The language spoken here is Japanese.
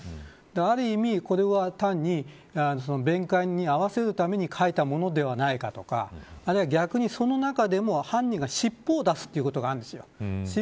ある意味これは単に弁解に合わせるために書いたものではないかとかあるいは、逆にその中でも犯人が尻尾を出すということがあります。